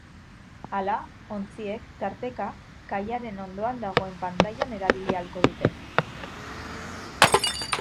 Hala, ontziek, tarteka, kaiaren ondoan dagoen pantalana erabili ahalko dute.